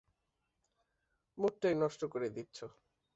মুডটাই নষ্ট করে দিচ্ছো।